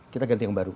kita ganti yang baru